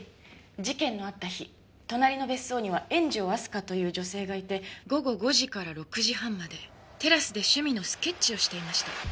事件のあった日隣の別荘には円城明日香という女性がいて午後５時から６時半までテラスで趣味のスケッチをしていました。